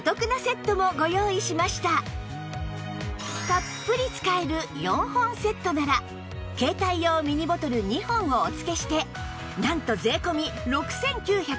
たっぷり使える４本セットなら携帯用ミニボトル２本をお付けしてなんと税込６９８０円